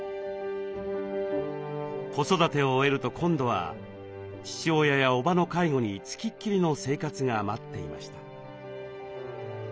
子育てを終えると今度は父親やおばの介護に付きっきりの生活が待っていました。